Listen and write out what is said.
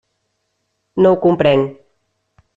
No ho comprenc.